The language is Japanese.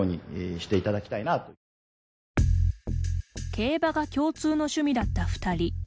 競馬が共通の趣味だった２人。